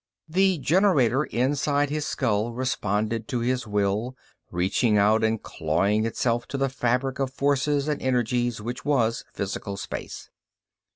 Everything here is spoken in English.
The generator inside his skull responded to his will, reaching out and clawing itself to the fabric of forces and energies which was physical space.